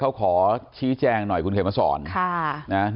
เขาขอชี้แจกหน่อยคุณเหล่นมันสอดใช่